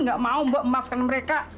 nggak mau mbak maafkan mereka